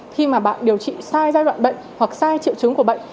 khi mà bạn điều trị sai giai đoạn bệnh hoặc sai triệu chứng của bệnh